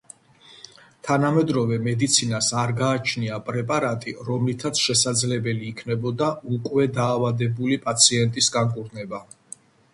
თანამედროვე მედიცინას არ გააჩნია პრეპარატი, რომლითაც შესაძლებელი იქნებოდა უკვე დაავადებული პაციენტის განკურნება.